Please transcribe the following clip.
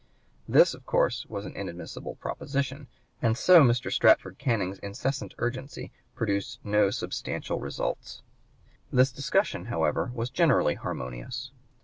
This of course was an inadmissible proposition, and so Mr. Stratford Canning's incessant urgency produced no substantial results. This discussion, however, was generally harmonious.